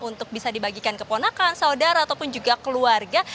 untuk bisa dibagikan ke ponakan saudara ataupun juga keluarga